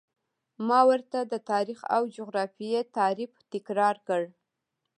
ما ورته د تاریخ او جغرافیې تعریف تکرار کړ.